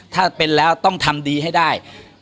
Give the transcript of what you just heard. ถ้าเป็นแล้วต้องทำดีให้ได้